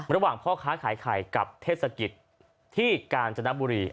พ่อค้าขายไข่กับเทศกิจที่กาญจนบุรี